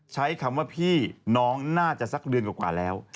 ใช้คำว่าพี่น้องน่าจะสักเดือนกว่าแล้ว